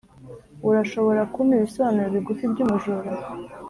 urashobora kumpa ibisobanuro bigufi byumujura?